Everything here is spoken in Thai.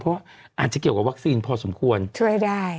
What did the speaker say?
เพราะว่าอาจจะเกี่ยวกับวัคซีนพอสมควรช่วยได้